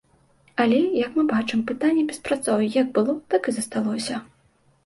Але, як мы бачым, пытанне беспрацоўя як было, так і засталося.